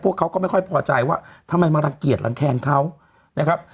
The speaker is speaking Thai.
เขาก็ไม่ค่อยพอใจว่าทำไมมารังเกียจรังแคงเขานะครับ